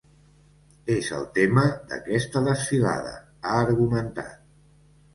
És el tema d’aquesta desfilada, ha argumentat.